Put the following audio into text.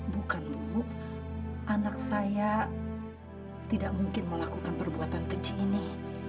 bukan bu anak saya tidak mungkin melakukan perbuatan kecil ini